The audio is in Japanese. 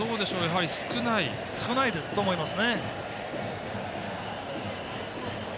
少ないと思います。